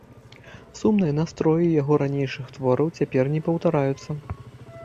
Сумныя настроі яго ранейшых твораў цяпер не паўтараюцца.